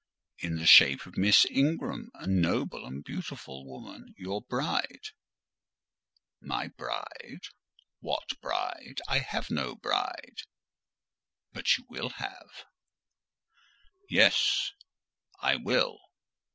"In the shape of Miss Ingram; a noble and beautiful woman,—your bride." "My bride! What bride? I have no bride!" "But you will have." "Yes;—I will!